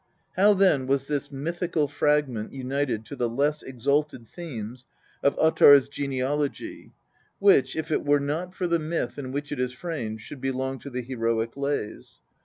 How then was this mythical fragment united to the less exalted theme of Ottar's genealogy, which, if it were not for the myth in which it is framed, should belong to the heroic lays